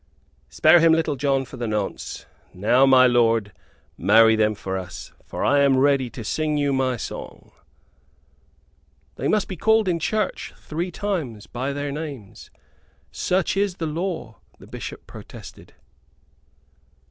"Spare him, Little John, for the nonce. Now, my lord, marry them for us, for I am ready to sing you my song." "They must be called in church three times by their names; such is the law," the Bishop protested.